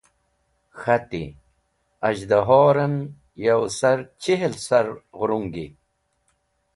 K̃ahti, az̃hdahoren yow sar chihl sir ghurungi.